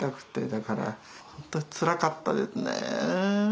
だから本当につらかったですね。